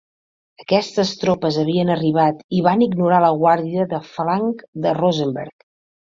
Aquestes tropes havien arribat i van ignorar la guàrdia de flanc de Rosenberg.